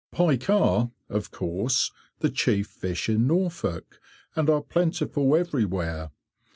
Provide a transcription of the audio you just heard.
Pike are, of course, the chief fish in Norfolk, and are plentiful everywhere.